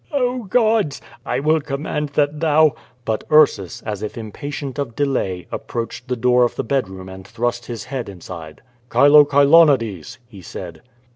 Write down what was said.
"Oh gods! I will command that thou —^" But Ursus, as if impatient of delay, approached the door of the bedroom and thrust his head inside. "Chilo Chilonides!" he said.